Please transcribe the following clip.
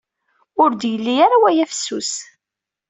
Ur d-yelli ara waya fessus.